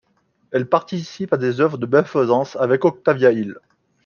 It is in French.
Elle participe à des œuvres de bienfaisance avec Octavia Hill.